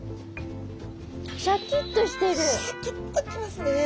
シャキッときますね。